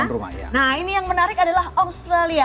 nah ini yang menarik adalah australia